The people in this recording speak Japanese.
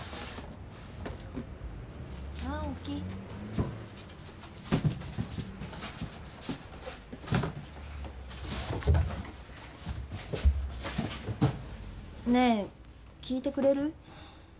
直季。ねぇ聞いてくれる？